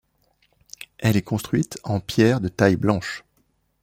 Elle est construite en pierres de taille blanches.